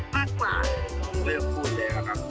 มากกว่า